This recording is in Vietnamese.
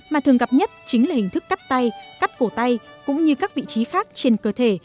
mà thường gặp nhất chính là hình thức cắt tay cắt cổ tay cũng như các vị trí khác trên cơ thể